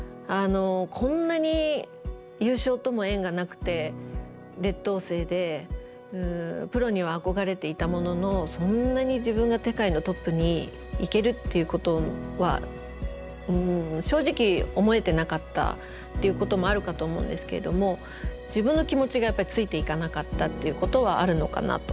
こんなに優勝とも縁がなくて劣等生でプロには憧れていたもののそんなに自分が世界のトップに行けるっていうことは正直思えてなかったっていうこともあるかと思うんですけれども自分の気持ちがやっぱりついていかなかったっていうことはあるのかなと。